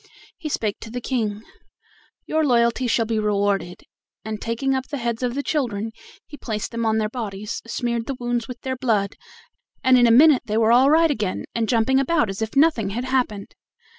He spake to the King: "Your loyalty shall be rewarded," and taking up the heads of the children, he placed them on their bodies, smeared the wounds with their blood, and in a minute they were all right again and jumping about as if nothing had happened.